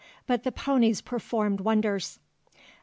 But the poneys performed wonders."